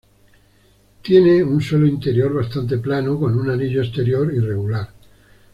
Tiene un suelo interior bastante plano, con un anillo exterior irregular.